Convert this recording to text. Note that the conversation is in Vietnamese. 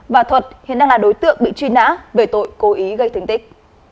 và thuật hiện đang là đối tượng bị truy nã về tội cố ý gây thương tích